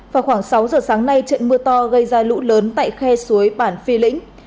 vào khoảng sáu giờ sáng nay trận mưa to gây ra lũ lớn tại khe suối bản phi lĩnh